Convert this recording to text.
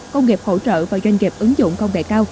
công nghiệp hỗ trợ và doanh nghiệp ứng dụng công nghệ cao